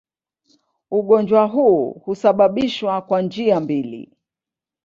Ugonjwa huu husababishwa kwa njia mbili.